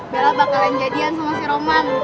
bella bakalan jadian sama si roman